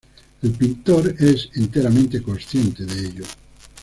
El pintor es enteramente consciente de ello.